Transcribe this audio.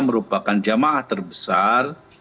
merupakan jamaah terbesar